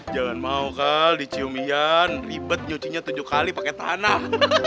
jangan mau kal dicium ian ribet nyuci nya tujuh kali pake tanah